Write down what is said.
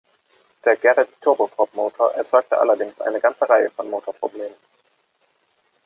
Der Garrett-Turbopropmotor erzeugte allerdings eine ganze Reihe von Motorproblemen.